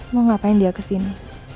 mau ngapain dia kesini